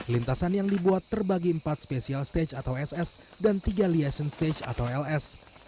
lintasan yang dibuat terbagi empat special stage atau ss dan tiga liaison stage atau ls